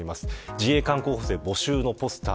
自衛官候補生募集のポスター